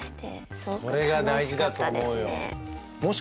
それが大事だと思うよ。